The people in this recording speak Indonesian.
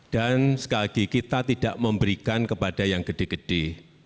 dan sekali lagi kita tidak memberikan kepada yang gede gede